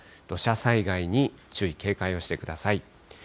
土砂災害に注意、警戒をしてください。